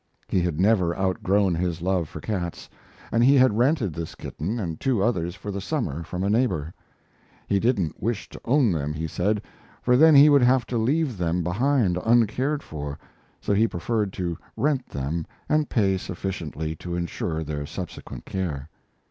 He had never outgrown his love for cats, and he had rented this kitten and two others for the summer from a neighbor. He didn't wish to own them, he said, for then he would have to leave them behind uncared for, so he preferred to rent them and pay sufficiently to insure their subsequent care.